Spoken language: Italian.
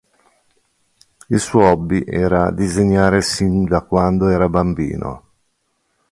Il suo hobby era disegnare sin da quando era bambino.